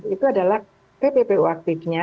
itu adalah pppu aktifnya